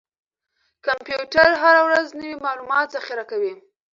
کمپیوټر هره ورځ نوي معلومات ذخیره کوي.